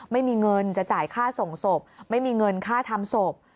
ไม่มีเงินจะจ่ายค่าส่งศพไม่มีเงินค่าทำศพ